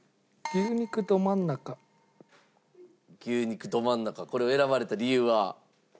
牛肉どまん中これを選ばれた理由は？